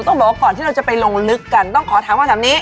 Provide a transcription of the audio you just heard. ต้องบอกว่าก่อนที่เราจะไปลงลึกกันต้องขอถามคำถามนี้